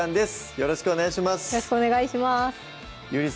よろしくお願いします